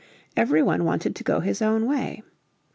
Every one wanted to go his own way.